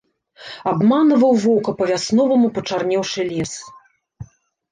Абманваў вока па-вясноваму пачарнеўшы лес.